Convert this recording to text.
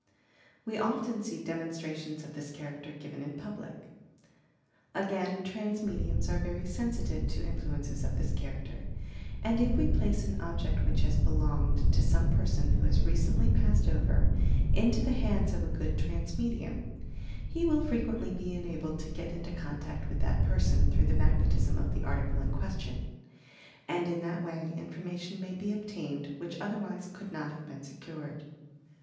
We often see demonstrations of this character given in public. Again (rance mediums are very sensitive to influences of this character, and if we place an object which had belonged to some person who has recently passed over into the hands of a good trance medium, he will frequently be enabled to get into contact with that person, through the magnetism of the article in question, and in that way information may be obtained which otherwise could not have been secured.